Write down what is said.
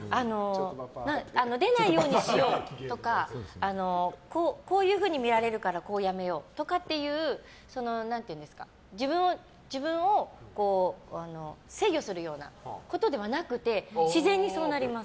出ないようにしようとかこういうふうに見られるからこうやめようとかっていう自分を制御するようなことではなくて自然にそうなります。